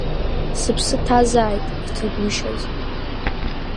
Сыԥсы ҭазааит, иҭагәышьаз.